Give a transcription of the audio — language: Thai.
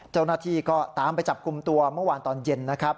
เจ้าหน้าที่ก็ตามไปจับกลุ่มตัวเมื่อวานตอนเย็นนะครับ